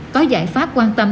có giải pháp quan tâm